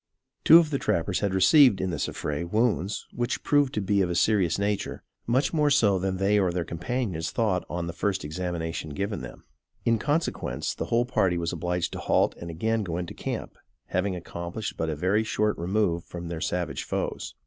Two of the trappers had received, in this affray, wounds; which proved to be of a serious nature: much more so than they or their companions thought on the first examination given them. In consequence, the whole party was obliged to halt and again go into camp, having accomplished but a very short remove from their savage foes.